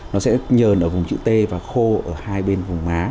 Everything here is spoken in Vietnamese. nó sẽ nhờn ở vùng trự t và khô ở hai bên vùng má